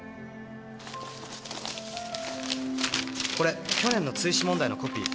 これ去年の追試問題のコピー。